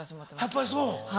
やっぱりそう？